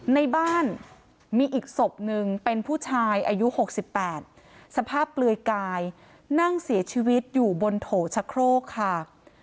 ในบ้านมีอีกศพนึงเป็นผู้ชายอายุ๖๘สภาพเปลือยกายนั่งเสียชีวิตอยู่บนโถชะโครกค่ะ